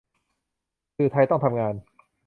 สื่อไทยต้องทำงาน